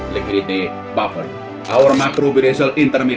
rasio intermedia makrobudensial kami